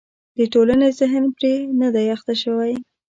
د ټولنې ذهن پرې نه دی اخته شوی.